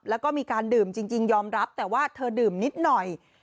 แล้วก็มีการดื่มจริงยอมรับแต่ว่าเธอดื่มนิดหน่อย